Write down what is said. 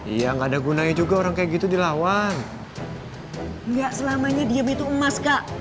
iya nggak ada gunanya juga orang kayak gitu dilawan nggak selamanya diam itu emas kak